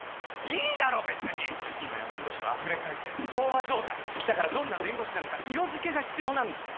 いいだろ別に今や弁護士はあふれかえってる飽和状態だからどんな弁護士なのか色づけが必要なんだよ